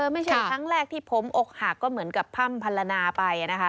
ไม่ใช่ครั้งแรกที่ผมอกหักก็เหมือนกับพร่ำพันละนาไปนะคะ